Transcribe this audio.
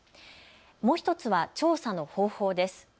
もう１つは調査の方法です。